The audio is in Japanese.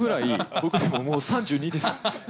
僕もう３２です。